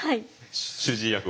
主治医役を。